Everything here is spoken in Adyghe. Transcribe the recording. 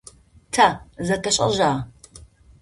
Тэ зэтэшӏэжьа?